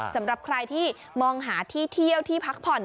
สำหรับใครที่มองหาที่เที่ยวที่พักผ่อน